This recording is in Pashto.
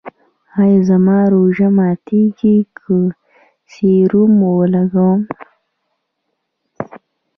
ایا زما روژه ماتیږي که سیروم ولګوم؟